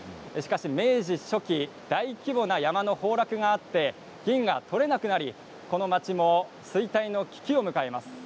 明治初期、大規模な山の崩落があって銀が採れなくなりこの町も衰退の危機を迎えます。